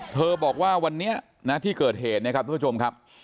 บอกว่าวันนี้นะที่เกิดเหตุนะครับทุกผู้ชมครับ